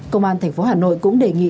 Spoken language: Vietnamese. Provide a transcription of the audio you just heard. công an tp hà nội cũng đề nghị